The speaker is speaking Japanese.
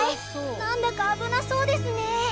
なんだか危なそうですね。